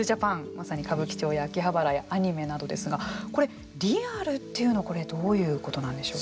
まさに歌舞伎町や秋葉原やアニメなどですがこれリアルっていうのはこれどういうことなんでしょう？